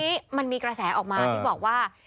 ทีนี้มันมีกระแสออกมาที่บอกว่า